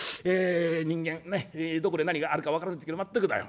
『人間どこで何があるか分からない』っていうけど全くだよ。